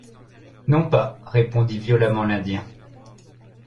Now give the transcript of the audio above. Non pas, répondit violemment l’Indien.